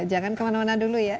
jangan kemana mana dulu ya